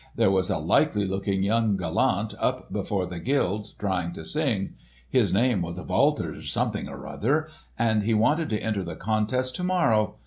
"There was a likely looking young gallant up before the guild trying to sing. His name was Walter something or other, and he wanted to enter the contest to morrow.